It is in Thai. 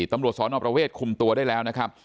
ตำรวจสอนอประเวทคุมตัวได้แล้วนะครับ